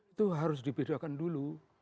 itu harus dibedakan dulu